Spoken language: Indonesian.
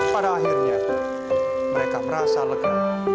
pada akhirnya mereka merasa lega